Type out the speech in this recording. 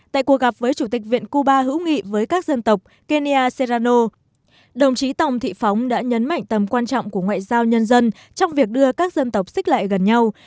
tại cuộc gặp với chủ tịch viện cuba hữu nghị với các dân tộc kenya seano đồng chí tòng thị phóng đã nhấn mạnh tầm quan trọng của ngoại giao nhân dân trong việc đưa các dân tộc xích lại gần nhau